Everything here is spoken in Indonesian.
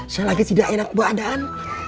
saya lagi tidak enak badan